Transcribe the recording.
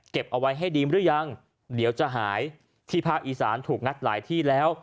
เอาไว้ให้ดีหรือยังเดี๋ยวจะหายที่ภาคอีสานถูกงัดหลายที่แล้ว